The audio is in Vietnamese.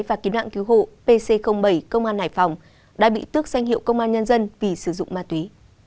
và cứu nạn cứu hộ pc bảy công an hải phòng đã bị tước danh hiệu công an nhân dân vì sử dụng ma túy